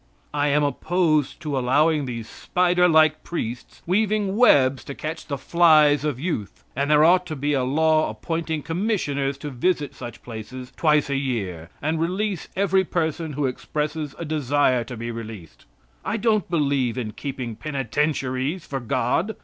I am opposed to allowing these spider like priests weaving webs to catch the flies of youth; and there ought to be a law appointing commissioners to visit such places twice a year, and release every person who expresses a desire to be released. I don't believe in keeping penitentiaries for God.